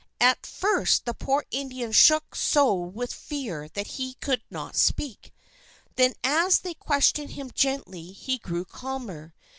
At first the poor Indian shook so with fear that he could not speak. Then as they questioned him gently, he grew calmer.